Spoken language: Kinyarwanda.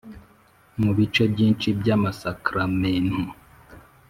mu bice byinshi by’amasakramentu